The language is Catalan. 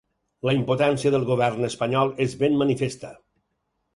La impotència del govern espanyol és ben manifesta.